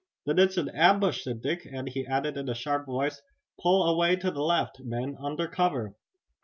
"Then it's an ambush!" said Dick, and he added in a sharp voice: "Pull away to the left, men, under cover!"